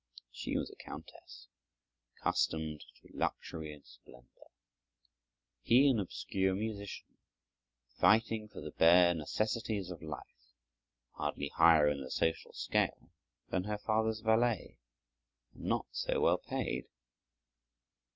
She was a countess, accustomed to luxury and splendor; he an obscure musician fighting for the bare necessities of life, hardly higher in the social scale than her father's valet and not so well paid.